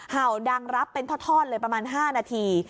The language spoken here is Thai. เห่าดังรับเป็นทอดเลยประมาณ๕นาที